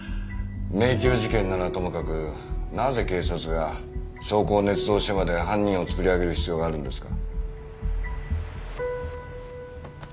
迷宮事件ならともかくなぜ警察が証拠を捏造してまで犯人を作り上げる必要があるんですか？